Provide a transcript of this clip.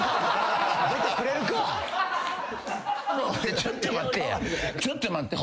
ちょっと待ってや。